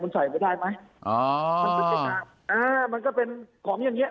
มันใส่ไปได้ไหมมันเป็นของอย่างนี้